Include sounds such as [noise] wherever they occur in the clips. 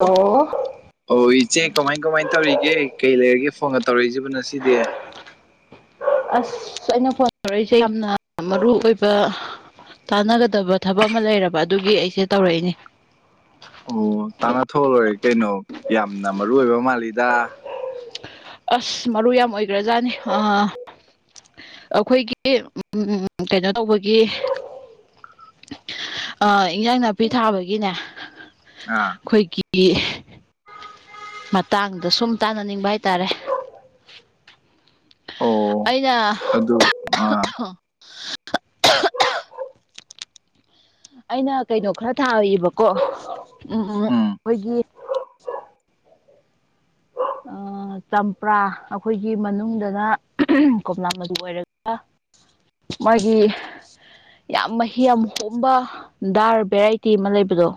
ꯑꯣ ꯑꯣ ꯏꯆꯦ ꯀꯃꯥꯏ ꯀꯃꯥꯏ ꯇꯧꯔꯤꯒꯦ ꯀꯩ ꯂꯩꯔꯒꯦ ꯐꯣꯟꯒ ꯇꯧꯔꯛꯏꯁꯤꯕꫭ‌ ꯉꯁꯤꯗꯤ ꯑꯁ ꯑꯩꯅ ꯐꯣꯟ ꯇꯧꯔꯛꯏꯁꯦ ꯌꯥꯝꯅ ꯃꯔꯨ ꯑꯣꯏꯕ ꯇꯥꯟꯅꯒꯗꯕ ꯊꯕꯛ ꯑꯃ ꯂꯩꯔꯕ ꯑꯗꯨꯒꯤ ꯑꯩꯁꯦ ꯇꯧꯔꯛꯏꯅꯦ ꯑꯣ ꯇꯥꯟꯅ ꯊꯣꯛꯂꯣꯏꯔꯦ ꯀꯩꯅꯣ ꯌꯥꯝꯅ ꯃꯔꯨ ꯑꯣꯏꯕ ꯃꯥꯜꯂꯤꯗ ꯑꯁ ꯃꯔꯨ ꯌꯥꯝ ꯑꯣꯏꯒꯔꯖꯥꯠꯅꯤ ꯑꯥ ꯑꯩꯈꯣꯏꯒꯤ ꯎꯝ ꯀꯩꯅꯣ ꯇꯧꯕꯒꯤ ꯑ ꯏꯟꯖꯥꯡ ꯅꯥꯄꯤ ꯊꯥꯕꯒꯤꯅꯦ ꯑꯥ ꯑꯩꯈꯣꯏꯒꯤ ꯃꯇꯥꯡꯗ ꯁꯨꯝ ꯇꯥꯟꯅꯅꯤꯡꯕ ꯍꯥꯏꯇꯥꯔꯦ ꯑꯣ ꯑꯩꯅ ꯑꯗꯨ ꯑꯥ ꯑꯩꯅ ꯀꯩꯅꯣ ꯈꯔ ꯊꯥꯔꯤꯕꯀꯣ ꯎꯝ ꯎꯝ ꯑꯩꯈꯣꯏꯒꯤ ꯑ ꯆꯝꯄ꯭ꯔꯥ ꯑꯩꯈꯣꯏꯒꯤ ꯃꯅꯨꯡꯗꯅ ꯀꯣꯝꯂꯥ ꯃꯆꯨ ꯑꯣꯏꯔꯒ ꯃꯣꯏꯒꯤ ꯌꯥꯝ ꯃꯍꯤ ꯌꯥꯝ ꯍꯣꯝꯕ ꯗꯥꯔ ꯚꯦꯔꯥꯏꯇꯤ ꯑꯃ ꯂꯩꯕꯗꯣ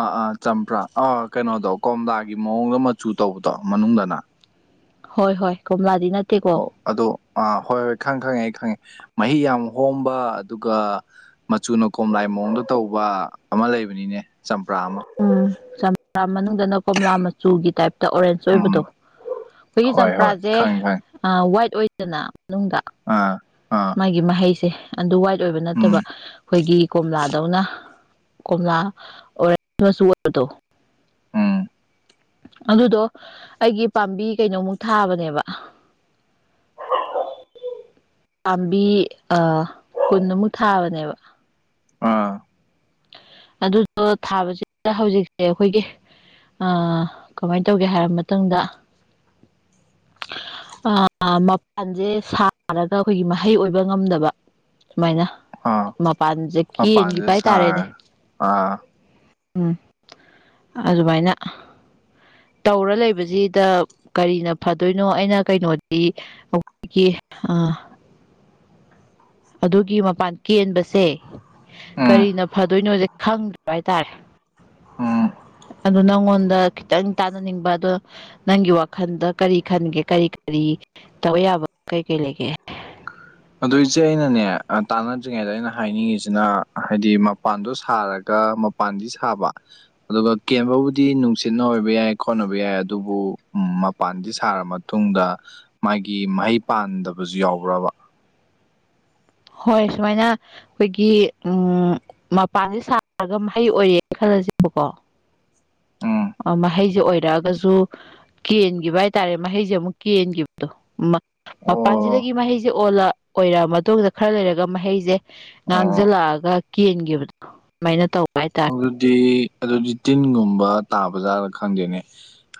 ꯑꯥ ꯑꯥ ꯆꯝꯄ꯭ꯔꯥ ꯑꯥ ꯀꯩꯅꯣꯗꯣ ꯀꯣꯝꯂꯥꯒꯤ ꯃꯑꯣꯡꯗ ꯃꯆꯨ ꯇꯧꯕꯗꯣ ꯃꯅꯨꯡꯗꯅ ꯍꯣꯏ ꯍꯣꯏ ꯀꯣꯝꯂꯥꯗꯤ ꯅꯠ ꯑꯣ ꯑꯗꯣ ꯑꯥ ꯍꯣꯏ ꯍꯣꯏ ꯈꯪ ꯈꯪꯉꯦ ꯑꯩ ꯈꯪꯉꯦ ꯃꯍꯤ ꯌꯥꯝ ꯍꯣꯝꯕ ꯑꯗꯨꯒ ꯃꯆꯨꯅ ꯀꯣꯝꯂꯥꯏ ꯃꯑꯣꯡꯗ ꯇꯧꯕ ꯑꯃ ꯂꯩꯕꯅꯤꯅꯦ ꯆꯝꯄ꯭ꯔꯥ ꯑꯃ ꯎꯝ ꯆꯝꯄ꯭ꯔꯥ ꯃꯅꯨꯡꯗꯅ ꯀꯣꯝꯂꯥ ꯃꯆꯨꯒꯤ ꯇꯥꯏꯞ ꯗ ꯑꯣꯔꯦꯟꯁ ꯑꯣꯏꯕꯗꯣ ꯎꯝ ꯑꯩꯈꯣꯏꯒꯤ ꯍꯣꯏ ꯍꯣꯏ ꯆꯝꯄꯔꯥꯖꯦ ꯈꯪꯉꯦ ꯈꯪꯉꯦ ꯋꯥꯏꯠ ꯑꯣꯏꯗꯅ ꯃꯅꯨꯡꯗ ꯑꯥ ꯑꯥ ꯃꯥꯒꯤ ꯃꯍꯩꯁꯦ ꯑꯗꯨ ꯋꯥꯏꯠ ꯑꯣꯏꯕ ꯎꯝ ꯅꯠꯇꯕ ꯑꯩꯈꯣꯏꯒꯤ ꯀꯣꯝꯂꯥꯗꯧꯅ ꯀꯣꯝꯂꯥ ꯑꯣꯔꯦꯟꯁ ꯃꯆꯨ ꯑꯣꯏꯕꯗꯣ ꯎꯝ ꯑꯗꯨꯗꯣ ꯑꯩꯒꯤ ꯄꯥꯝꯕꯤ ꯀꯩꯅꯣꯃꯨꯛ ꯊꯥꯕꯅꯦꯕ ꯄꯥꯝꯕꯤ ꯑ ꯀꯨꯟꯃꯨꯛ ꯊꯥꯕꯅꯦꯕ ꯑꯥ ꯑꯗꯨꯗꯣ ꯊꯥꯕꯁꯤꯗ ꯍꯧꯖꯤꯛꯁꯦ ꯑꯩꯈꯣꯏꯒꯤ ꯑ ꯀꯃꯥꯏ ꯇꯧꯒꯦ ꯍꯥꯏꯔꯕ ꯃꯇꯨꯡꯗ ꯑꯥ ꯃꯄꯥꯟꯚꯦ ꯁꯥꯔꯒ ꯑꯩꯈꯣꯏꯒꯤ ꯃꯍꯩ ꯑꯣꯏꯕ ꯉꯝꯗꯕ ꯁꯨꯃꯥꯏꯅ ꯑꯥ ꯃꯄꯥꯟꯖꯦ ꯃꯄꯥꯟꯁꯦ ꯀꯦꯟꯈꯤꯕ ꯍꯥꯏꯇꯥꯔꯦꯅꯦ ꯁꯥꯔꯒ ꯑꯥ ꯎꯝ ꯑꯗꯨꯃꯥꯏꯅ ꯇꯧꯔ ꯂꯩꯕꯖꯤꯗ ꯀꯔꯤꯅ ꯐꯗꯣꯏꯅꯣ ꯑꯩꯅ ꯀꯩꯅꯣꯗꯤ ꯑꯣ ꯑ [unintelligible] ꯑꯗꯨꯒꯤ ꯃꯄꯥꯟ ꯀꯦꯟꯕꯁꯦ ꯎꯝ ꯀꯔꯤꯅ ꯐ ꯗꯣꯏꯅꯣꯖꯦ ꯈꯪꯗ꯭ꯔꯕ ꯍꯥꯏꯇꯥꯔꯦ ꯎꯝ ꯑꯗꫭ ꯅꯪꯉꯣꯟꯗ ꯈꯤꯇꯪ ꯇꯥꯅꯅꯤꯡꯕ ꯑꯗꯣ ꯅꯪꯒꯤ ꯋꯥꯈꯜꯗ ꯀꯔꯤ ꯈꯟꯒꯦ ꯀꯔꯤ ꯀꯔꯤ ꯇꯧꯕ ꯌꯥꯕ ꯀꯩ ꯀꯩ ꯂꯩꯒꯦ ꯑꯗꯨꯏꯆꯦ ꯑꯩꯅꯅꯦ ꯇꯥꯟꯅꯗ꯭ꯔꯤꯉꯩꯗ ꯑꯩꯅ ꯍꯥꯏꯅꯤꯡꯉꯤꯁꯤꯅ ꯍꯥꯏꯗꯤ ꯃꯄꯥꯟꯗꯣ ꯁꯥꯔꯒ ꯃꯄꯥꯟꯗꯤ ꯁꯥꯕ ꯑꯗꯨꯒ ꯀꯦꯟꯕꯕꯨꯗꯤ ꯅꯨꯡꯁꯤꯠꯅ ꯑꯣꯏꯕ ꯌꯥꯏ ꯈꯣꯠꯅꯕ ꯌꯥꯏ ꯑꯗꯨꯕꯨ ꯃꯄꯥꯟꯗꯤ ꯁꯥꯔꯝꯃ ꯃꯇꯨꯡꯗ ꯃꯥꯒꯤ ꯃꯍꯩ ꯄꯥꯟꯗꯕꯖꯨ ꯌꯥꯎꯕ꯭ꯔꯕ ꯍꯣꯏ ꯁꯨꯃꯥꯏꯅ ꯑꯩꯈꯣꯏꯒꯤ ꯎꯝ ꯃꯄꯥꯟꯖꯦ ꯁꯥꯔꯒ ꯃꯍꯩ ꯑꯣꯏꯔꯦꯅ ꯈꯜꯂꯖꯦꯕꯀꯣ ꯎꯝ ꯑ ꯃꯍꯩꯖꯦ ꯑꯣꯏꯔꯛꯑꯒꯖꯨ ꯀꯦꯟꯒꯤꯕ ꯍꯥꯏꯇꯥꯔꯦ ꯃꯍꯩꯁꯦ ꯑꯃꯨꯛ ꯀꯦꯟꯒꯤꯕꯗꯣ ꯑꯣ ꯃꯄꯥꯟꯁꯤꯗꯒꯤ ꯃꯍꯩꯁꯦ ꯑꯣꯜꯂ ꯑꯣꯏꯔꯛꯑ ꯃꯇꯨꯡꯗ ꯈꯔ ꯂꯩꯔꯒ ꯃꯍꯩꯁꯦ ꯑꯣ ꯉꯥꯡꯁꯤꯜꯂꯛꯑꯒ ꯀꯦꯟꯈꯤꯕꯗꯣ ꯑꯗꯨꯃꯥꯏꯅ ꯇꯧꯕ ꯍꯥꯏꯇꯥꯔꯦ ꯗꯤ ꯑꯗꯨꯗꯤ ꯇꯤꯟꯒꯨꯝꯕ ꯇꯥꯕꯖꯥꯠꯔ ꯈꯪꯗꯦꯅꯦ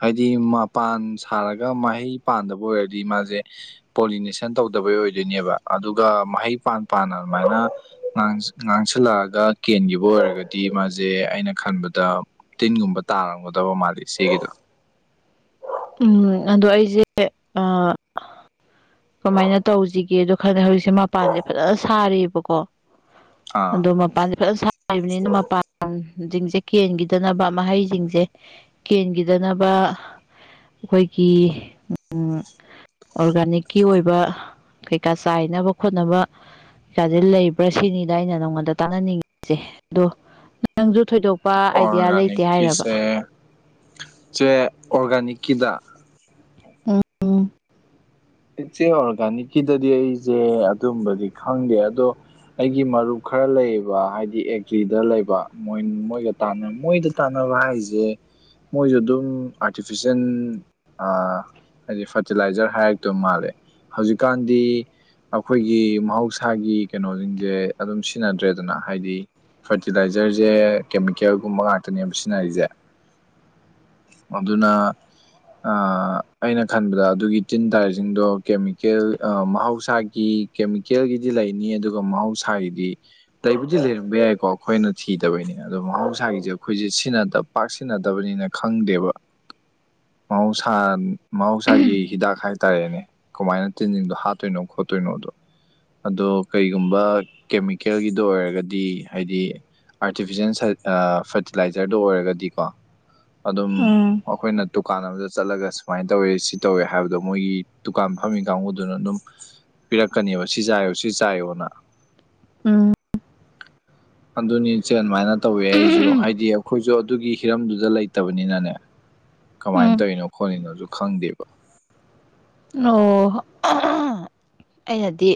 ꯍꯥꯏꯗꯤ ꯃꯄꯥꯟ ꯁꯥꯔꯒ ꯃꯍꯩ ꯄꯥꯟꯗꯕ ꯑꯣꯏꯔꯗꯤ ꯃꯥꯁꯦ ꯄꯣꯂꯤꯅꯦꯁꯟ ꯇꯧꯗꯕꯩ ꯑꯣꯏꯗꯣꯏꯅꯦꯕ ꯑꯗꯨꯒ ꯃꯍꯩ ꯄꯥꯟ ꯄꯥꯟꯅ ꯑꯗꯨꯃꯥꯏꯅ ꯉꯥꯡꯁꯜꯂꯛꯑꯒ ꯀꯦꯟꯈꯤꯕ ꯑꯣꯏꯔꯒꯗꯤ ꯗꯤ ꯃꯥꯁꯦ ꯑꯩꯅ ꯈꯟꯕꯗ ꯇꯤꯟꯒꯨꯝꯕ ꯇꯥꯔꯝꯒꯗꯕ ꯃꯥꯜꯜꯂꯤꯦ ꯁꯤꯒꯤꯗꯣ ꯎꯝ ꯑꯗꯣ ꯑꯩꯁꯦ ꯑ ꯀꯃꯥꯏꯅ ꯇꯧꯁꯤꯒꯦ ꯑꯗꯣ ꯈꯪꯉꯦ ꯍꯧꯖꯤꯛꯁꯦ ꯃꯄꯥꯟꯁꯦ ꯐꯖꯅ ꯁꯥꯔꯤꯑꯕꯀꯣ ꯑꯥ ꯑꯗꯣ ꯃꯄꯥꯟ ꯍꯥꯏꯕꯅꯤꯅ ꯃꯄꯥꯟꯁꯤꯡꯁꯦ ꯀꯦꯟꯈꯤꯗꯅꯕ ꯃꯍꯩꯁꯤꯡꯁꯦ ꯀꯦꯟꯈꯤꯗꯅꯕ ꯑꯩꯈꯣꯏꯒꯤ ꯎꯝ ꯑꯣꯔꯒꯥꯅꯤꯛꯀꯤ ꯑꯣꯏꯕ ꯀꯩꯀꯥ ꯆꯥꯏꯅꯕ ꯈꯣꯠꯅꯕ ꯀꯩꯀꯥꯁꯦ ꯂꯩꯕ꯭ꯔꯥ ꯁꯤꯅꯤꯗ ꯑꯩꯅ ꯅꯪꯉꯣꯟꯗ ꯇꯥꯟꯅꯅꯤꯡꯉꯤꯁꯦ ꯑꯗꯣ ꯅꯪꯁꯨ ꯊꯣꯏꯗꯣꯛ ꯄ ꯑꯥꯏꯗꯤꯌꯥ ꯂꯩꯇꯦ ꯍꯥꯏꯔꯕ ꯑꯣꯔꯒꯥꯅꯤꯛꯀꯤꯁꯦ ꯆꯦ ꯑꯣꯔꯒꯅꯤꯛ ꯀꯤ ꯀꯗ ꯎꯝ ꯏꯆꯦ ꯑꯣꯔꯒꯥꯅꯤꯛꯀꯤꯗꯗꯤ ꯑꯩꯁꯦ ꯑꯗꯨꯝꯕꯗꯤ ꯈꯪꯗꯦ ꯑꯗꯣ ꯑꯩꯒꯤ ꯃꯔꯨꯞ ꯈꯔ ꯂꯩꯕ ꯍꯥꯏꯗꯤ ꯑꯦꯒ꯭ꯔꯤꯗ ꯂꯩꯕ ꯃꯣꯏ ꯃꯣꯏꯒ ꯃꯣꯏꯗ ꯇꯥꯟꯅꯕ ꯍꯥꯏꯁꯦ ꯃꯣꯏꯁꯨ ꯑꯗꯨꯝ ꯑꯥꯔꯇꯤꯐꯤꯁꯦꯜ ꯍꯥꯏꯗꯤ ꯐꯔꯇꯤꯂꯥꯏꯖꯔ ꯍꯥꯏꯔ ꯇ ꯃꯥꯜꯂꯦ ꯍꯧꯖꯤꯛꯀꯥꯟꯗꯤ ꯑꯩꯈꯣꯏꯒꯤ ꯃꯍꯧꯁꯥꯒꯤ ꯀꯩꯅꯣꯁꯤꯡꯁꯦ ꯑꯗꯨꯝ ꯁꯤꯟꯅꯗ꯭ꯔꯦꯗꯅ ꯍꯥꯏꯗꯤ ꯐꯔꯇꯤꯂꯥꯏꯖꯔꯁꯦ ꯀꯦꯃꯤꯀꯦꯜꯒꯨꯝꯕ ꯉꯥꯛꯇꯅꯦꯕ ꯁꯤꯖꯤꯅꯔꯤꯁꯦ ꯑꯗꯨꯅ ꯑꯩꯅ ꯈꯟꯕꯗ ꯑꯗꯨꯒꯤ ꯇꯤꯟ ꯇꯥꯔꯤꯦ ꯁꯤꯡꯗꯣ ꯀꯦꯃꯤꯀꯦꯜ ꯃꯍꯧꯁꯥꯒꯤ ꯀꯦꯃꯤꯀꯦꯜꯒꯤꯗꯤ ꯂꯩꯅꯤ ꯑꯗꯨꯒ ꯃꯍꯧꯁꯥꯒꯤꯗꯤ ꯂꯩꯕꯨꯗꯤ ꯂꯩꯔꯝꯕ ꯌꯥꯏꯀꯣ ꯑꯩꯈꯣꯏꯅ ꯊꯤꯗꯕꯩꯅꯤ ꯑꯗꯣ ꯃꯍꯧꯁꯥꯒꯤꯁꯦ ꯑꯩꯈꯣꯏꯁꯦ ꯁꯤꯖꯤꯟꯅꯗꯕ ꯄꯥꯛꯁꯤꯟꯅꯗꯕꯅꯤꯅ ꯈꯪꯗꯦꯕ [inaudible] ꯃꯍꯧꯁꯥ ꯃꯍꯧꯁꯥꯒꯤ ꯍꯤꯗꯥꯛ ꯍꯥꯏ ꯇꯔꯦꯅꯦ ꯀꯃꯥꯏꯅ ꯇꯤꯟꯖꯤꯡꯗꯣ ꯍꯥꯠꯇꯣꯏꯅꯣ ꯈꯣꯠꯇꯣꯏꯅꯣ ꯑꯗꯣ ꯑꯗꯣ ꯀꯔꯤꯒꯨꯝꯕ ꯀꯦꯃꯤꯀꯦꯜꯒꯤꯗꯣ ꯑꯣꯏꯔꯒꯗꯤ ꯍꯥꯏꯗꯤ ꯑꯥꯔꯇꯤꯐꯤꯁꯦꯜ ꯐꯔꯇꯤꯂꯥꯏꯖꯔꯗꯨ ꯑꯣꯏꯔꯒꯗꯤꯀꯣ ꯑꯗꯨꯝ ꯎꯝ ꯑꯩꯈꯣꯏꯅ ꯗꯨꯀꯥꯟ ꯑꯃꯗ ꯆꯠꯂꯒ ꯁꯨꯃꯥꯏꯅ ꯇꯧꯋꯤ ꯁꯤ ꯇꯧꯋꯦ ꯍꯥꯏꯕꯗꯣ ꯃꯣꯏꯒꯤ ꯗꯨꯀꯥꯟ ꯐꯝꯃꯤ ꯀꯥꯡꯕꯨꯗꯨꯅ ꯑꯗꯨꯝ ꯄꯤꯔꯛꯀꯅꯦꯕ ꯁꯤ ꯆꯥꯏꯌꯣ ꯁꯤ ꯆꯥꯏꯌꯣꯅ ꯎꯝ ꯑꯗꯨꯅꯤ ꯏꯆꯜ ꯑꯗꯨꯃꯥꯏꯅ ꯇꯧꯋꯦ ꯑꯩꯁꯨ ꯍꯥꯏꯗꯤ ꯑꯩꯈꯣꯏꯁꯨ ꯑꯗꯨꯒꯤ ꯍꯤꯔꯝꯗꯨꯗ ꯂꯩꯇꯕꯅꯤꯅꯅꯦ ꯀꯃꯥꯏꯅ ꯎꯝ ꯇꯧꯔꯤꯅꯣ ꯈꯣꯠꯂꯤꯅꯣꯁꯨ ꯈꯪꯗꯦꯕ ꯑꯣ ꯑꯩꯅꯗꯤ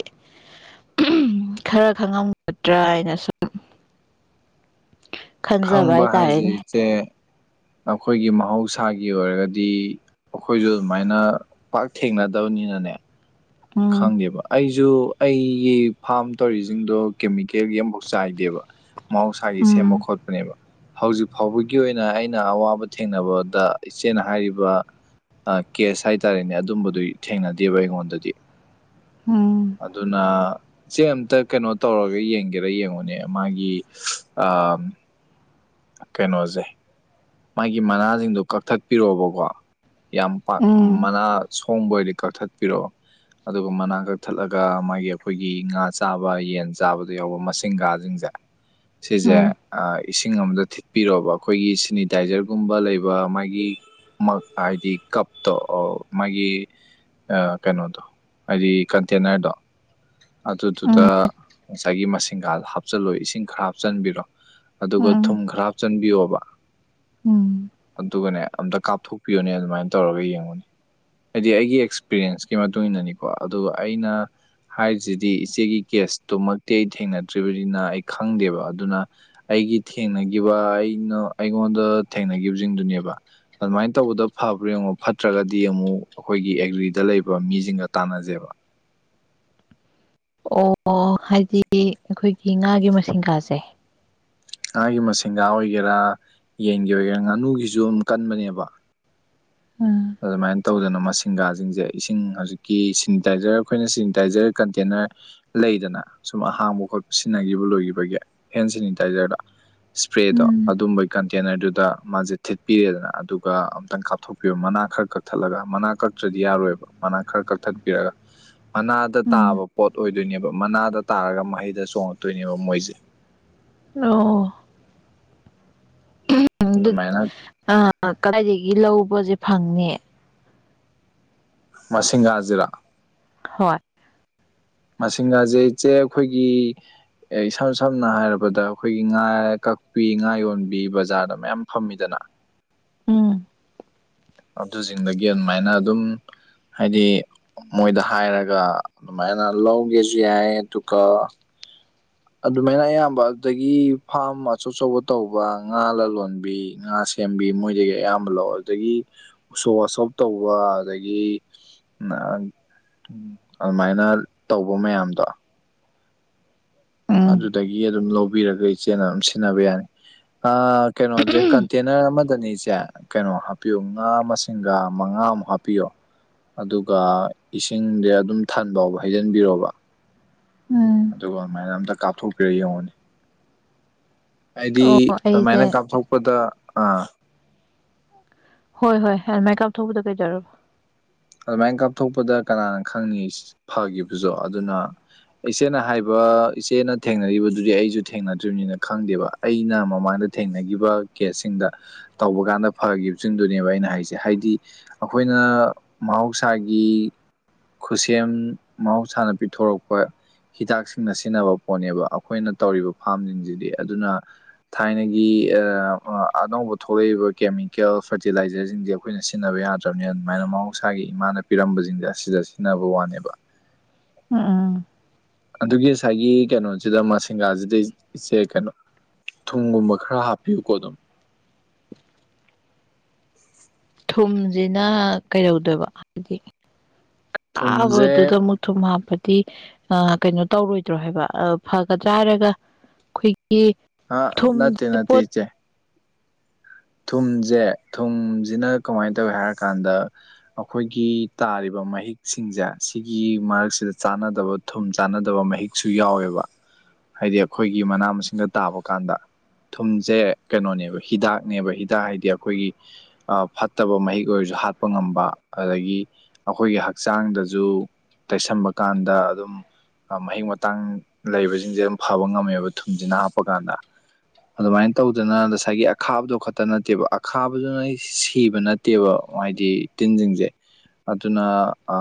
ꯈꯔ ꯈꯪꯉꯝꯒꯗ꯭ꯔꯥ ꯍꯥꯏꯅꯁꯨꯨꯝ ꯈꯪꯕ ꯍꯥꯏꯁ ꯏꯆꯦ ꯑꯩꯈꯣꯏꯒꯤ ꯃꯍꯧꯁꯥꯒꯤ ꯑꯣꯏꯔꯒꯗꯤ ꯑꯩꯈꯣꯏꯁꯨ ꯑꯗꯨꯃꯥꯏꯅ ꯄꯥꯛ ꯊꯦꯡꯅꯗꯕꯅꯤꯅꯅꯦ ꯎꯝ ꯈꯪꯗꯦꯕ ꯑꯩꯁꯨ ꯖꯨ ꯑꯩꯒꯤ ꯐꯥꯔꯝ ꯇꯧꯔꯤꯁꯤꯡꯗꯣ ꯀꯦꯃꯤꯀꯦꯜꯒꯤ ꯑꯃꯐꯥꯎ ꯆꯥꯏꯗꯦꯕ ꯃꯍꯧꯁꯥꯒꯤ ꯁꯦꯝꯕ ꯎꯝ ꯈꯣꯠꯄꯅꯦꯕ ꯍꯧꯖꯤꯛ ꯐꯥꯎꯕꯒꯤ ꯑꯣꯏꯅ ꯑꯩꯅ ꯑꯋꯥꯕ ꯊꯦꯡꯅꯕꯗ ꯏꯆꯦꯅ ꯍꯥꯏꯔꯤꯕ ꯀꯦꯁ ꯍꯥꯏꯇꯥꯔꯦꯅꯦ ꯑꯗꯨꯝꯕꯗꯨ ꯊꯦꯡꯅꯗꯦꯕ ꯑꯩꯉꯣꯟꯗꯗꯤ ꯎꯝ ꯑꯗꯨꯅ ꯏꯆꯦ ꯑꯃꯇ ꯀꯩꯅꯣ ꯇꯧꯔꯒ ꯌꯦꯡꯒꯦꯔ ꯌꯦꯡꯉꯨꯅꯦ ꯃꯥꯒꯤ ꯑ ꯀꯩꯅꯣꯁꯦ ꯃꯥꯒꯤ ꯃꯅꯥꯁꯤꯡꯗꯨꯣ ꯀꯛꯊꯠꯄꯤꯔꯛꯑꯣꯕꯀꯣ ꯌꯥꯝ ꯄꯥꯛ ꯎꯝ ꯃꯅꯥ ꯁꯣꯡꯕ ꯑꯣꯏꯔꯗꯤ ꯀꯛꯊꯠꯄꯤꯔꯣ ꯑꯗꯨꯒ ꯃꯅꯥꯛ ꯀꯛꯊꯠꯂꯒ ꯃꯥꯒꯤ ꯑꯩꯈꯣꯏꯒꯤ ꯉꯥ ꯆꯥꯕ ꯌꯦꯟ ꯆꯥꯕꯗ ꯌꯥꯎꯕ ꯃꯁꯤꯡꯒꯥꯥꯁꯤꯡꯁꯦ [inaudible] ꯁꯤꯁꯦ ꯏꯁꯤꯡ ꯑꯗ ꯊꯤꯠꯄꯤꯔꯣꯕ ꯑꯩꯈꯣꯏꯒꯤ ꯁꯦꯅꯤꯇꯥꯏꯖꯔꯒꯨꯝꯕ ꯂꯩꯕ ꯃꯥꯒꯤ ꯑꯗꯤ ꯀꯞꯇ ꯃꯥꯒꯤ ꯀꯩꯅꯣꯗꯣ ꯍꯥꯏꯗꯤ ꯀꯟꯇꯦꯅꯔꯗꯣ ꯎꯝ ꯑꯗꯨꯗꯨꯗ ꯉꯁꯥꯏꯒꯤ ꯃꯁꯤꯡꯒ ꯍꯥꯞꯆꯜꯂꯣꯏ ꯏꯁꯤꯡ ꯈꯔ ꯍꯥꯞꯆꯤꯟꯕꯤꯔꯣ ꯑꯗꯨꯒ ꯎꯝ ꯊꯨꯝ ꯈꯔ ꯍꯥꯞꯆꯟꯕꯤꯌꯣꯕ ꯎꯝ ꯑꯗꯨꯒꯅꯦ ꯑꯝꯇ ꯀꯥꯞꯊꯣꯛꯄꯤꯌꯨꯅꯦ ꯑꯗꯨꯃꯥꯏꯅ ꯇꯧꯔꯒ ꯌꯦꯡꯉꯨꯅꯦ ꯍꯥꯏꯗꯤ ꯑꯩꯒꯤ ꯑꯦꯛꯁꯄꯤꯔꯦꯟꯁꯀꯤ ꯃꯇꯨꯡ ꯏꯟꯅꯅꯤꯀꯣ ꯑꯗꯨꯒ ꯑꯩꯅ ꯍꯥꯏꯔꯤꯁꯤꯗꯤ ꯏꯆꯦꯒꯤ ꯀꯦꯁꯇꯨꯃꯛꯇꯤ ꯑꯩ ꯊꯦꯡꯅꯗ꯭ꯔꯤꯕꯅꯤꯅ ꯑꯩ ꯈꯪꯗꯦꯕ ꯑꯗꯨꯅ ꯑꯩꯒꯤ ꯊꯦꯡꯅꯈꯤꯕ ꯑꯩꯅ ꯑꯩꯉꯣꯟꯗ ꯊꯦꯡꯅꯈꯤꯕꯁꯤꯡꯗꯨꯅꯦꯕ ꯑꯗꯨꯃꯥꯏꯅ ꯇꯧꯕꯗ ꯐꯕ꯭ꯔꯥ ꯌꯦꯡꯉꯣ ꯐꯠꯇ꯭ꯔꯒꯗꯤ ꯑꯃꯨꯛ ꯑꯩꯈꯣꯏꯒꯤ ꯑꯦꯒ꯭ꯔꯤꯗ ꯂꯩꯕ ꯃꯤꯁꯤꯡꯒ ꯇꯥꯟꯅꯖꯦꯕ ꯑꯣ ꯍꯥꯏꯗꯤ ꯑꯩꯈꯣꯏꯒꯤ ꯉꯥꯒꯤ ꯃꯁꯤꯡꯒꯥꯁꯦ ꯉꯥꯒꯤ ꯃꯁꯤꯡꯦꯟꯒꯥ ꯑꯣꯏꯒꯦꯔꯥ ꯌꯦꯟꯒꯤ ꯑꯣꯏꯒꯦꯔꯥ ꯉꯥꯅꯨꯒꯤꯁꯨ ꯑꯗꯨꯝ ꯀꯟꯕꯅꯦꯕ ꯎꯝ ꯑꯗꯨꯃꯥꯏꯅ ꯇꯧꯗꯅ ꯃꯁꯤꯡꯒꯥꯁꯤꯡꯁꯦ ꯏꯁꯤꯡ ꯍꯧꯖꯤꯛꯀꯤ ꯁꯦꯅꯤꯇꯥꯏꯖꯔ ꯑꯩꯈꯣꯏꯅ ꯁꯦꯅꯤꯇꯥꯏꯖꯔ ꯀꯟꯇꯦꯅꯔ ꯂꯩꯗꯅ ꯁꯨꯝ ꯑꯍꯥꯡꯕ ꯈꯣꯠꯄ ꯁꯤꯟꯅꯈꯤꯕ ꯂꯣꯏꯈꯤꯕꯒꯤ ꯍꯦꯟ ꯁꯦꯅꯤꯇꯥꯏꯖꯔꯗ ꯏꯁꯄ꯭ꯔꯦꯗꯣ ꯎꯝ ꯑꯗꯨꯝꯕꯒꯤ ꯀꯟꯇꯦꯅꯔꯗꯨꯗ ꯃꯥꯁꯦ ꯊꯤꯠꯄꯤꯔꯦꯗꯅ ꯑꯗꯨꯒ ꯑꯝꯇꯪ ꯀꯥꯞꯊꯣꯛꯄꯤꯌꯣ ꯃꯥꯅꯥ ꯈꯔ ꯀꯛꯊꯠꯂꯒ ꯃꯅꯥ ꯀꯛꯇ꯭ꯔꯗꯤ ꯌꯥꯔꯣꯏꯕ ꯃꯅꯥ ꯈꯔ ꯀꯛꯊꯠꯄꯤꯔꯒ ꯃꯅꯥꯗ ꯎꯝ ꯇꯥꯕ ꯄꯣꯠ ꯑꯣꯏꯗꯣꯏꯅꯦꯕ ꯃꯅꯥꯗ ꯇꯥꯔꯒ ꯃꯍꯩꯗ ꯆꯣꯡꯉꯛꯇꯣꯏꯅꯦꯕ ꯃꯣꯏꯁꯦ ꯑꯣ ꯑꯗꯨ ꯃꯥꯏꯅꯥ ꯑ ꯀꯗꯥꯏꯗꯒꯤ ꯂꯧꯕꯁꯦ ꯐꯪꯅꯤ ꯃꯁꯤꯡꯒꯥꯖꯤꯔꯥ ꯍꯣꯏ ꯃꯁꯤꯡꯅꯁꯦ ꯏꯆꯦ ꯑꯩꯈꯣꯏꯒꯤ ꯑꯦ ꯏꯁꯝ ꯁꯝꯅ ꯍꯥꯏꯔꯕꯗ ꯑꯩꯈꯣꯏꯒꯤ ꯉꯥ ꯀꯛꯄꯤ ꯉꯥ ꯌꯣꯟꯕꯤ ꯕꯖꯥꯔꯗ ꯃꯌꯥꯝ ꯐꯝꯃꯤꯗꯅ ꯎꯝ ꯑꯗꯨꯁꯤꯡꯗꯒꯤ ꯑꯗꯨꯃꯥꯏꯅ ꯑꯗꯨꯝ ꯍꯥꯏꯗꯤ ꯃꯣꯏꯗ ꯍꯥꯏꯔꯒ ꯑꯗꯨꯃꯥꯏꯅ ꯂꯧꯒꯦꯁꯨ ꯌꯥꯏ ꯑꯗꯨꯒ ꯑꯗꯨꯃꯥꯏꯅ ꯑꯌꯥꯝꯕ ꯑꯗꯨꯗꯒꯤ ꯐꯥꯝ ꯑꯆꯧ ꯑꯆꯧꯕ ꯇꯧꯕ ꯉꯥ ꯂꯂꯣꯟꯕꯤ ꯉꯥꯁꯤꯡ ꯁꯦꯝꯕꯤ ꯃꯣꯏꯗꯒꯤ ꯑꯌꯥꯝꯕ ꯂꯧ ꯑꯗꯨꯗꯒꯤ ꯎꯁꯣ ꯋꯥꯁꯣꯞ ꯇꯧꯕ ꯑꯗꯒꯤ ꯑꯗꯨꯃꯥꯏꯅ ꯇꯧꯕ ꯃꯌꯥꯝꯗꯣ ꯎꯝ ꯑꯗꯨꯗꯒꯤ ꯑꯗꯨꯝ ꯂꯧꯕꯤꯔꯒ ꯏꯆꯦꯅ ꯑꯗꯨꯝ ꯁꯤꯖꯤꯟꯅꯕ ꯌꯥꯅꯤ ꯑ ꯀꯩꯅꯣꯁꯦ ꯀꯟꯇꯦꯅꯔ ꯑꯃꯗꯅꯦ ꯏꯆꯦ ꯀꯩꯅꯣ ꯍꯥꯞꯄꯤꯌꯣ ꯉꯥ ꯃꯁꯤꯡꯒ ꯃꯉꯥꯃꯨꯛ ꯍꯥꯞꯄꯤꯌꯣ ꯑꯗꯨꯒ ꯏꯁꯤꯡꯗꯤ ꯑꯗꯨꯝ ꯊꯟꯕꯥꯎꯕ ꯍꯩꯖꯤꯟꯕꯤꯔꯣꯕ ꯎꯝ ꯑꯗꯨꯒ ꯑꯗꯨꯃꯥꯏꯅ ꯑꯝꯇ ꯀꯥꯞꯊꯣꯛꯄꯤꯔꯒ ꯌꯦꯡꯉꯨꯅꯤ ꯍꯥꯏꯗꯤ ꯑꯣ ꯑꯩꯁꯦ ꯑꯗꯨꯃꯥꯏꯅ ꯀꯥꯞꯊꯣꯛꯄꯗ ꯑꯥ ꯍꯣꯏ ꯍꯣꯏ ꯑꯗꯨꯃꯥꯏ ꯀꯞꯊꯣꯛꯄꯗ ꯀꯩꯗꯧꯔꯕ ꯑꯗꯨꯃꯥꯏꯅ ꯀꯥꯞꯊꯣꯛꯄꯗ ꯀꯅꯥꯅ ꯈꯪꯅꯤ ꯐꯈꯤꯕꯁꯨ ꯑꯗꯨꯅ ꯏꯆꯦꯅ ꯍꯥꯏꯕ ꯏꯆꯦꯅ ꯊꯦꯡꯅꯔꯤꯕꯗꯨꯗꯤ ꯑꯩꯁꯨ ꯊꯦꯡꯅꯗ꯭ꯔꯤꯕꯅꯤꯅ ꯈꯪꯗꯦꯕ ꯑꯩꯅ ꯃꯃꯥꯡꯗ ꯊꯦꯡꯅꯈꯤꯕ ꯀꯦꯁꯁꯤꯡꯗ ꯇꯧꯕ ꯀꯥꯟꯗ ꯐꯈꯤꯕꯁꯤꯡꯗꯨꯅꯦꯕ ꯑꯩꯅ ꯍꯥꯏꯁꯦ ꯍꯥꯏꯗꯤ ꯑꯩꯈꯣꯏꯅ ꯃꯍꯧꯁꯥꯒꯤ ꯈꯨꯠꯁꯦꯝ ꯃꯍꯧꯁꯥꯅ ꯄꯤꯊꯣꯔꯛꯄ ꯍꯤꯗꯥꯛꯁꯤꯡꯅ ꯁꯤꯖꯤꯟꯅꯕ ꯄꯣꯠꯅꯦꯕ ꯑꯩꯈꯣꯏꯅ ꯇꯧꯔꯤꯕ ꯐꯥꯔꯝꯁꯤꯡꯁꯤꯗꯤ ꯑꯗꯨꯅ ꯊꯥꯏꯅꯒꯤ ꯑ ꯑꯥ ꯑꯅꯧꯕ ꯊꯣꯛꯂꯛꯏꯕ ꯀꯦꯃꯤꯀꯦꯜ ꯐꯔꯇꯤꯂꯥꯏꯖꯔꯁꯤꯡꯖꯦ ꯑꯩꯈꯣꯏꯅ ꯁꯤꯖꯤꯟꯅꯕ ꯌꯥꯗ꯭ꯔꯕꯅꯤꯅ ꯑꯗꯨꯃꯥꯏꯅ ꯃꯍꯧꯁꯥꯒꯤ ꯏꯃꯥꯅ ꯄꯤꯔꯝꯕꯁꯤꯡꯁꯦ ꯑꯁꯤꯗ ꯁꯤꯖꯤꯟꯅꯕ ꯋꯥꯅꯦꯕ ꯎꯝ ꯎꯝ ꯑꯗꯨꯒꯤ ꯑꯁꯥꯏꯒꯤ ꯀꯩꯅꯣꯁꯤꯗ ꯃꯁꯤꯡꯒꯥꯁꯤꯗꯩ ꯏꯆꯦ ꯀꯩꯅꯣ ꯊꯨꯝꯒꯨꯝꯕ ꯈꯔ ꯍꯥꯞꯄꯤꯌꯨꯀꯣ ꯑꯗꯨꯝ ꯊꯨꯝꯁꯤꯅ ꯀꯩꯗꯧꯗꯣꯏꯕ ꯍꯥꯏꯗꯤ ꯀꯥꯕꯗꯨꯗ ꯊꯨꯝꯁꯦ ꯑꯃꯨꯛ ꯊꯨꯝ ꯍꯥꯞꯄꯗꯤ ꯑ ꯀꯩꯅꯣ ꯇꯧꯔꯣꯏꯗ꯭ꯔꯣ ꯍꯥꯏꯕ ꯑ ꯐꯒꯗꯔꯥ ꯍꯥꯏꯔꯒ ꯈꯣꯏꯒꯤ ꯑ ꯅꯇꯦ ꯅꯇꯦ ꯏꯆꯦ ꯊꯨꯝꯖꯦ ꯊꯨꯝꯖꯤꯅ ꯀꯃꯥꯏꯅ ꯇꯧꯏ ꯍꯥꯏꯔꯀꯥꯟꯗ ꯑꯩꯈꯣꯏꯒꯤ ꯇꯥꯔꯤꯕ ꯃꯍꯤꯛꯁꯤꯡꯁꯦ ꯁꯤꯒꯤ ꯃꯔꯛꯁꯤꯗ ꯆꯥꯟꯅꯗꯕ ꯊꯨꯝ ꯆꯥꯟꯅꯗꯕ ꯃꯍꯤꯛꯁꯨ ꯌꯥꯎꯋꯦꯕ ꯍꯥꯏꯗꯤ ꯑꯩꯈꯣꯏꯒꯤ ꯃꯅꯥ ꯃꯁꯤꯡꯗ ꯇꯥꯕ ꯀꯥꯟꯗ ꯊꯨꯝꯖꯦ ꯀꯩꯅꯣꯅꯦꯕ ꯍꯤꯗꯥꯛ ꯅꯦꯕ ꯍꯤꯗꯥꯛ ꯍꯥꯏꯗꯤ ꯑꯩꯈꯣꯏꯒꯤ ꯑ ꯐꯠꯇꯕ ꯃꯍꯤꯛ ꯑꯣꯏꯔꯁꯨ ꯍꯥꯠꯄ ꯉꯝꯕ ꯑꯗꯒꯤ ꯑꯈꯣꯏꯒꯤ ꯍꯛꯆꯥꯡꯗꯁꯨ ꯇꯩꯁꯟꯕ ꯀꯥꯟꯗ ꯑꯗꯨꯝ ꯑ ꯃꯍꯤꯛ ꯃꯇꯥꯡ ꯂꯩꯕꯁꯤꯡꯁꯦ ꯑꯗꯨꯝ ꯐꯕ ꯉꯝꯃꯦꯕ ꯊꯨꯝꯁꯤꯅ ꯍꯥꯞꯄꯀꯥꯟꯗ ꯑꯗꯨꯃꯥꯏꯅ ꯇꯧꯗꯅ ꯉꯁꯥꯏꯒꯤ ꯑꯈꯥꯕꯗꯣ ꯈꯠꯇ ꯅꯠꯇꯦꯕ ꯑꯈꯥꯕꯗꯨ ꯅ ꯁꯤꯕ ꯅꯠꯇꯦꯕ ꯍꯥꯏꯗꯤ ꯇꯤꯟꯖꯤꯡꯖꯦ ꯑꯗꯨꯅ ꯑ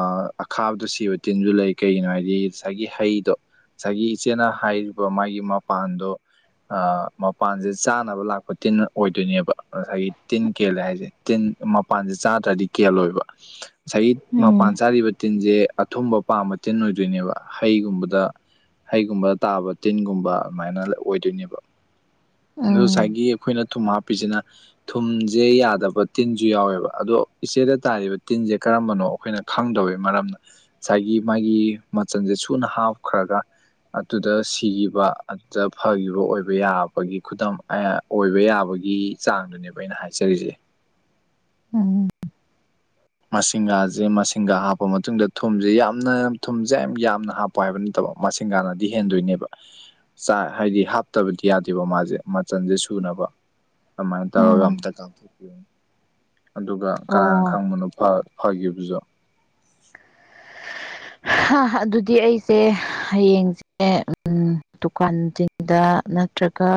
ꯑꯈꯥꯕꯗ ꯁꯤꯕ ꯇꯤꯟꯖꯨ ꯂꯩ ꯀꯩꯒꯤꯅꯣ ꯍꯥꯏꯗꯤ ꯉꯁꯥꯏꯒꯤ ꯍꯩꯗꯣ ꯉꯁꯥꯏꯒꯤ ꯏꯆꯦꯅ ꯍꯥꯏꯔꯤꯕ ꯃꯥꯒꯤ ꯃꯄꯥꯟꯗꯣ ꯑ ꯃꯄꯥꯟꯖꯦ ꯆꯥꯅꯕ ꯂꯥꯛꯄ ꯇꯤꯟ ꯑꯣꯏꯗꯣꯏꯅꯦꯕ ꯉꯁꯥꯏꯒꯤ ꯇꯤꯟ ꯀꯦꯜꯂꯦ ꯍꯥꯏꯖꯦ ꯇꯤꯟ ꯃꯄꯥꯟꯁꯦ ꯆꯥꯗ꯭ꯔꯗꯤ ꯀꯦꯜꯂꯣꯏꯕ ꯉꯁꯥꯏꯒꯤ ꯃꯄꯥꯟ ꯎꯝ ꯆꯥꯔꯤꯕ ꯇꯤꯟꯖꯦ ꯑꯊꯨꯝꯕ ꯄꯥꯝꯕ ꯇꯤꯟ ꯑꯣꯏꯗꯣꯏꯅꯦꯕ ꯍꯩꯒꯨꯝꯕꯗ ꯍꯩꯒꯨꯝꯕꯗ ꯇꯥꯕ ꯇꯤꯟꯒꯨꯝꯕ ꯑꯗꯨꯃꯥꯏꯅ ꯑꯣꯏꯗꯣꯏꯅꯦꯕ ꯑꯗꯨ ꯎꯝ ꯉꯁꯥꯏꯒꯤ ꯑꯩꯈꯣꯏꯅ ꯊꯨꯝ ꯍꯥꯞꯄꯤꯁꯤꯅ ꯊꯨꯝꯖꯦ ꯌꯥꯗꯕ ꯇꯤꯟꯖꯨ ꯌꯥꯎꯋꯦꯕ ꯑꯗꯣ ꯏꯆꯦꯗ ꯇꯥꯔꯤꯕ ꯇꯤꯟꯖꯦ ꯀꯔꯝꯕꯅꯣ ꯑꯩꯈꯣꯏꯅ ꯈꯪꯗꯕꯩ ꯃꯔꯝꯅ ꯉꯁꯥꯏꯒꯤ ꯃꯥꯒꯤ ꯃꯆꯜꯁꯦ ꯁꯨꯅ ꯍꯥꯞꯈ꯭ꯔꯒ ꯑꯗꯨꯗ ꯁꯤꯈꯤꯕ ꯑꯗꯨꯗ ꯐꯥꯈꯤꯕ ꯑꯣꯏꯕ ꯌꯥꯕꯒꯤ ꯈꯨꯗꯝ ꯑꯣꯏꯕ ꯌꯥꯕ ꯈꯣꯏꯒꯤ ꯆꯥꯡꯗꯨꯅꯦꯕ ꯑꯩꯅ ꯍꯥꯏꯖꯔꯤꯁꯦ ꯎꯝ ꯃꯁꯤꯡꯒꯥꯖꯦ ꯃꯁꯤꯡꯒꯥ ꯍꯥꯞꯄ ꯃꯇꯨꯡꯗ ꯊꯨꯝꯁꯦ ꯌꯥꯝꯅ ꯊꯨꯝꯁꯦ ꯌꯥꯝ ꯌꯥꯝꯅ ꯍꯥꯞꯄ ꯄꯥꯏꯕ ꯅꯠꯇꯕ ꯃꯁꯤꯡꯒꯥꯅꯗꯤ ꯍꯦꯟꯗꯣꯏꯅꯦꯕ ꯆꯥꯏ ꯍꯥꯏꯗꯤ ꯍꯥꯞꯇꯕꯗꯤ ꯌꯥꯗꯦꯕ ꯃꯥꯖꯦ ꯃꯆꯜꯁꯦ ꯁꯨꯅꯕ ꯑꯗꯨꯃꯥꯏꯅ ꯇꯧꯔꯒ ꯎꯝ ꯑꯝꯇ ꯇꯥꯟꯊꯣꯛꯄꯤꯌꯨꯅꯤ ꯑꯗꯨꯒ ꯑꯣ ꯀꯅꯥꯅ ꯈꯪꯕꯅꯣ ꯐꯥ ꯐꯥꯈꯤꯕꯖꯨ ꯍꯥ ꯑꯗꯨꯗꯤ ꯑꯩꯖꯦ ꯍꯌꯦꯡꯖꯦ ꯑꯦ ꯎꯝ ꯗꯨꯀꯥꯟꯁꯤꯡꯗ ꯅꯠꯇ꯭ꯔꯒ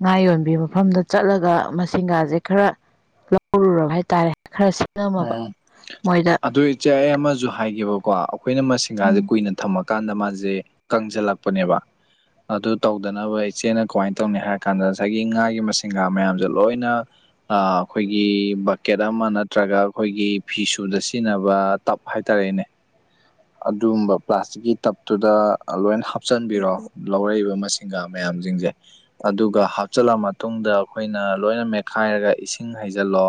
ꯉꯥ ꯌꯣꯟꯕꯤ ꯃꯐꯝꯗ ꯆꯠꯂꯒ ꯃꯁꯤꯡꯒꯥꯁꯦ ꯈꯔ ꯂꯧꯔꯨꯔꯕ ꯍꯥꯏꯇꯥꯔꯦ ꯈꯔꯁꯤꯡꯉꯝ ꯑ ꯑꯗꯨ ꯏꯆꯦ ꯑꯩ ꯑꯃꯁꯨ ꯍꯥꯏꯒꯦꯕꯀꯣ ꯑꯩꯈꯣꯏꯅ ꯎꯝ ꯃꯁꯤꯡꯒꯥꯁꯦ ꯀꯨꯏꯅ ꯊꯝꯃꯛ ꯀꯥꯟꯗ ꯃꯥꯁꯦ ꯀꯪꯖꯜꯂꯛꯄꯅꯦꯕ ꯑꯗꯨ ꯇꯧꯗꯅꯕ ꯏꯆꯦꯅ ꯀꯃꯥꯏꯅ ꯇꯧꯅꯤ ꯍꯥꯏꯔ ꯀꯥꯟꯗ ꯉꯁꯥꯏꯒꯤ ꯉꯥꯒꯤ ꯃꯁꯤꯡꯒꯥ ꯃꯌꯥꯝꯁꯦ ꯂꯣꯏꯅ ꯑ ꯑꯩꯈꯣꯏꯒꯤ ꯕꯥꯀꯦꯠ ꯑꯃ ꯅꯠ ꯅꯠꯇ꯭ꯔꯒ ꯑꯩꯈꯣꯏꯒꯤ ꯐꯤꯁꯨꯗ ꯁꯤꯖꯤꯟꯅꯕ ꯇꯞ ꯍꯥꯏꯇꯔꯦꯅꯦ ꯑꯗꯨꯒꯨꯝꯕ ꯄ꯭ꯂꯥꯁꯇꯤꯛꯀꯤ ꯇꯞꯇꯨꯗ ꯑ ꯂꯣꯏ ꯍꯥꯞꯆꯤꯟꯕꯤꯔꯣ ꯂꯧꯔꯛꯏꯕ ꯃꯁꯤꯡꯒꯥ ꯃꯌꯥꯝꯁꯤꯡꯁꯦ ꯑꯗꯨꯒ ꯍꯥꯞꯆꯤꯜꯂ ꯃꯇꯨꯡꯗ ꯑꯩꯈꯣꯏꯅ ꯂꯣꯏꯅ ꯃꯦꯠꯈꯥꯏꯔꯒ ꯏꯁꯤꯡ ꯍꯩꯖꯜꯂꯣ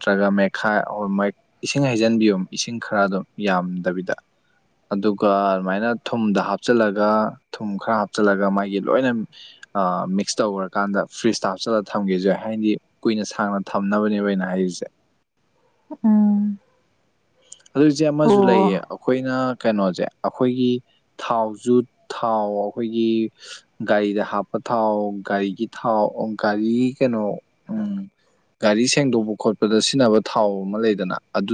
ꯅꯠꯇ꯭ꯔꯒ ꯃꯦꯈꯥ ꯑꯣ ꯃ ꯏꯁꯤꯡ ꯍꯩꯖꯤꯟꯕꯤꯌꯨ ꯏꯁꯤꯡ ꯈꯔ ꯑꯗꯨꯝ ꯌꯥꯝꯗꯕꯤꯗ ꯑꯗꯨꯒ ꯑꯗꯨꯃꯥꯏꯅ ꯊꯨꯝꯗ ꯍꯥꯞꯆꯜꯂꯒ ꯊꯨꯝ ꯈꯔ ꯍꯥꯞꯆꯤꯜꯂꯒ ꯃꯥꯒꯤ ꯂꯣꯏꯅ ꯑꯥ ꯃꯤꯛꯁ ꯇꯧꯈ꯭ꯔꯀꯥꯟꯗ ꯐ꯭ꯔꯤꯖꯇ ꯍꯥꯞꯆꯜꯂꯒ ꯊꯝꯒꯦꯖꯨ ꯌꯥꯏ ꯍꯥꯏꯗꯤ ꯀꯨꯏꯅ ꯁꯥꯡꯅ ꯊꯝꯅꯕꯅꯦꯕ ꯑꯩꯅ ꯍꯥꯏꯔꯤꯁꯦ ꯎꯝ ꯑꯗꯨꯏꯁꯦ ꯑꯃꯁꯨ ꯑꯣ ꯂꯩꯌꯦ ꯑꯩꯈꯣꯏꯅ ꯀꯩꯅꯣꯁꯦ ꯑꯩꯈꯣꯏꯒꯤ ꯊꯥꯎꯖꯨ ꯊꯥꯎ ꯑꯩꯈꯣꯏꯒꯤ ꯒꯥꯔꯤꯗ ꯍꯥꯞꯄ ꯊꯥꯎ ꯒꯥꯔꯤꯒꯤ ꯊꯥꯎ ꯒꯥꯔꯤ ꯀꯩꯅꯣ ꯎꯝ ꯒꯥꯔꯤ ꯁꯦꯡꯗꯣꯛꯄ ꯈꯣꯠꯄꯗ ꯁꯤꯖꯤꯟꯅꯕ ꯊꯥꯎ ꯑꯃ ꯂꯩꯗꯅ ꯑꯗꯨ